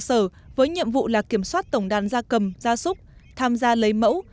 thú y cơ sở với nhiệm vụ là kiểm soát tổng đàn gia cầm gia súc tham gia lấy mẫu